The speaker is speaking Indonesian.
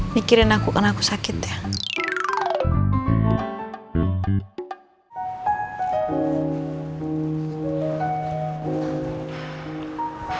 mikirin aku karena aku sakit ya